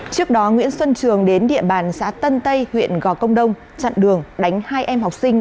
trước đó nguyễn xuân trường đến địa bàn xã tân tây huyện gò công đông chặn đường đánh hai em học sinh